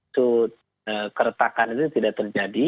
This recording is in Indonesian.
sut keretakan itu tidak terjadi